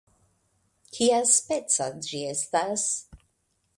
Kiaspeca ĝi estas?